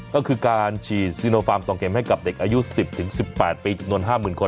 ก็คือการฉีดซีโนฟาร์ม๒เม็มให้กับเด็กอายุ๑๐๑๘ปีจำนวน๕๐๐๐คน